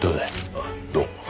あどうも。